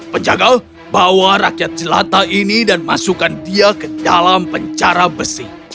penjaga bawa rakyat jelata ini dan masukkan dia ke dalam penjara besi